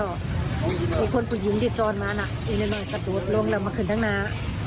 มีคนผู้หญิงที่ซ่อนมาน่ะเย็นน่อยสะดูดลงแล้วมาขึ้นทางหน้า